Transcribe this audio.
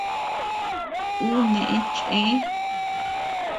Uu neʼë chëe.